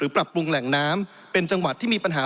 ปรับปรุงแหล่งน้ำเป็นจังหวัดที่มีปัญหา